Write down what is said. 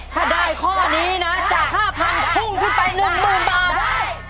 ถ้าได้ข้อนี้นะจะฆ่าพันธุ์พุ่งขึ้นไปนึกมุมมา